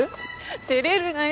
照れるなよ